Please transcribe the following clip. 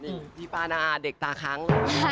นี่พี่ป้าน้าอาเด็กตาค้าง